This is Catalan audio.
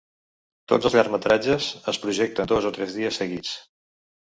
Tots els llargmetratges es projecten dos o tres dies seguits.